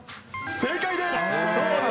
正解です！